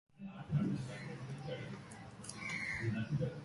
The tanar'ri are essentially "classic" demons; reflections of cruelty, evil and sin.